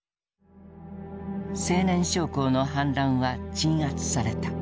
青年将校の反乱は鎮圧された。